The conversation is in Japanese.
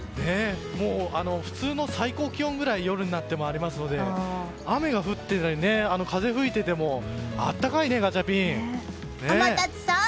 普通の最高気温ぐらい夜になってもありますので雨が降っていたり風が吹いていても暖かいね、ガチャピン。